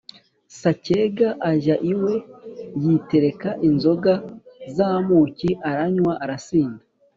Sacyega ajya iwe, yitereka inzoga z'amuki, aranywa arasinda.